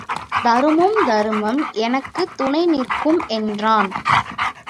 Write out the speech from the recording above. தருமம் தருமம் எனக்குத் துணை நிற்கும் என்றான்.